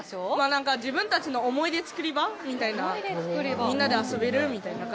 なんか自分たちの思い出作り場みたいな、みんなで遊べるみた